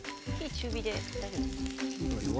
中火で大丈夫ですか？